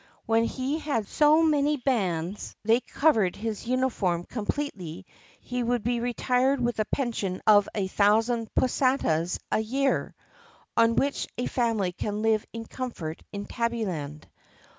When he had so many bands that they covered his uniform completely he would be retired with a pension of a thousand pussetas a year (on which a family can live in comfort in Tab byland)